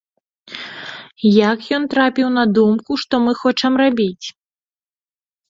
Як ён трапіў на думку, што мы хочам рабіць?!